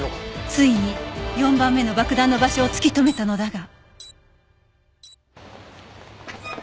ついに４番目の爆弾の場所を突き止めたのだが